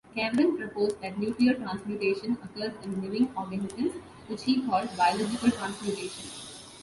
Kervran proposed that nuclear transmutation occurs in living organisms, which he called "biological transmutation".